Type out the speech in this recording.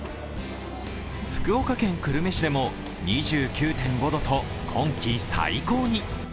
福岡県久留米市でも２９．５度と、今季最高に。